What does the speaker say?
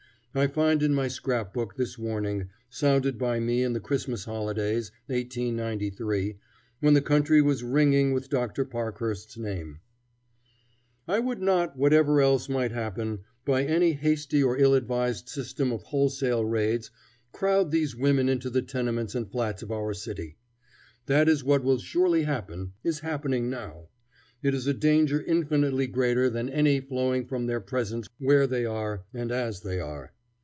I find in my scrap book this warning, sounded by me in the Christmas holidays, 1893, when the country was ringing with Dr. Parkhurst's name: "I would not, whatever else might happen, by any hasty or ill advised system of wholesale raids crowd these women into the tenements and flats of our city. That is what will surely happen, is happening now. It is a danger infinitely greater than any flowing from their presence where they are, and as they are.